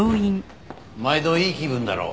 毎度いい気分だろう。